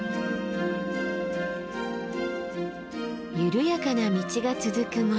緩やかな道が続く森。